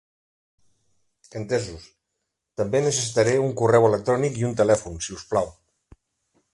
Entesos, també necessitaré un correu electrònic i un telèfon, si us plau.